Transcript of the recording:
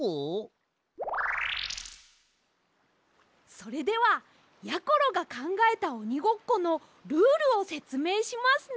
それではやころがかんがえたおにごっこのルールをせつめいしますね。